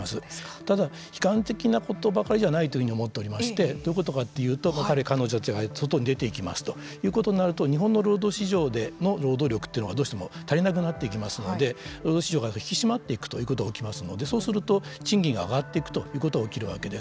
ただ悲観的なことばかりじゃないというふうに思っていましてどういうことかというと彼、彼女たちが外に出ていきますということになると日本の労働市場の労働力というのが足りなくなっていきますので労働市場が引き締まっていくということが起きていきますのでそうすると賃金が上がっていくということは起きるわけです。